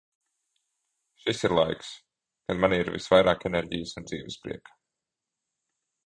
Šis ir laiks. Kad manī ir visvairāk enerģijas un dzīvesprieka.